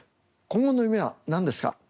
今後の夢は何ですか？